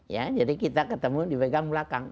ya jadi kita ketemu dipegang belakang